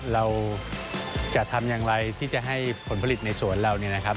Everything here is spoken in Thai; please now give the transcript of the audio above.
เราจะทำอย่างไรที่จะให้ผลผลิตในสวนเรา